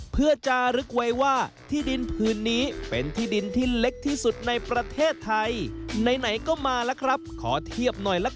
เพื่อจะลึกไวว่าที่ดินพื้นนี้